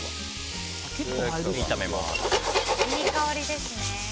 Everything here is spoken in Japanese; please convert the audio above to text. いい香りですね。